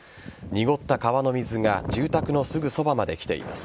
濁った川の水が住宅のすぐそばまで来ています。